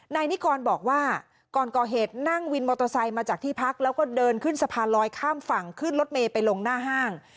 นายนิกรบอกว่าก่อนก่อเหตุนั่งวินมอเตอร์ไซค์มาจากที่พักแล้วก็เดินขึ้นสะพานลอยข้ามฝั่งขึ้นรถเมย์ไปลงหน้าห้าง